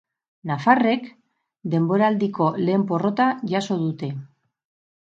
Nafarrek denboraldiko lehen porrota jaso dute.